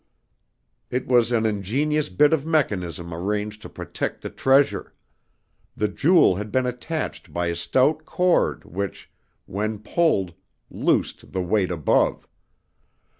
It was an ingenious bit of mechanism arranged to protect the treasure; the jewel had been attached by a stout cord which, when pulled, loosed the weight above.